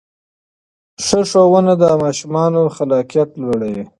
ښه ښوونه د ماشومانو خلاقیت لوړوي.